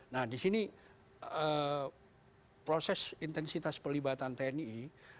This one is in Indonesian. nah disini proses intensitas pelibatan tni